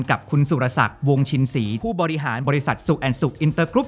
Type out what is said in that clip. กับคุณสุรศักดิ์วงชินศรีผู้บริหารบริษัทสุแอนสุกอินเตอร์กรุ๊